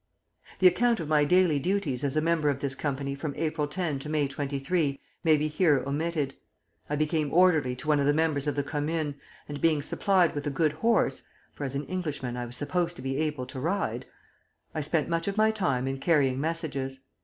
"The account of my daily duties as a member of this company from April 10 to May 23 may be here omitted. I became orderly to one of the members of the Commune, and being supplied with a good horse (for as an Englishman I was supposed to be able to ride), I spent much of my time in carrying messages.